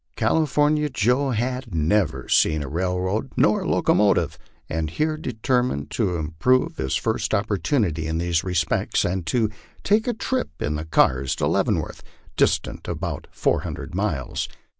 California Joe had never seen a railroad nor a locomotive, and here determined to improve his first oppor tunity in these respects, and to take a trip in the cars to Leavenworth, dis tant about four hundred miles.